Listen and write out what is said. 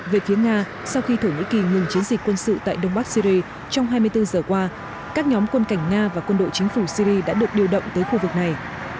về phía nga sau khi thổ nhĩ kỳ ngừng chiến dịch quân sự tại đông bắc syri trong hai mươi bốn giờ qua các nhóm quân cảnh nga và quân đội chính phủ syri đã được điều động tới khu vực này